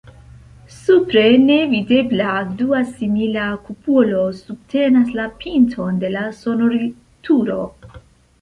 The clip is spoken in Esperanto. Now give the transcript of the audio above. Supre, nevidebla, dua simila kupolo subtenas la pinton de la sonorilturo.